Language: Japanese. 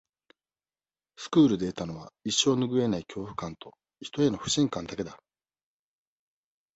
スクールで得たのは、一生ぬぐえない恐怖感と、人への不信感だけだ。